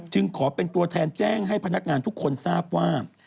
ขอเป็นตัวแทนแจ้งให้พนักงานทุกคนทราบว่า